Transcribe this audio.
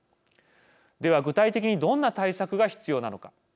では、具体的にどんな対策が必要なのか。